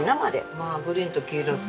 まあグリーンと黄色と。